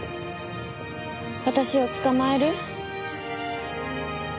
私を捕まえる？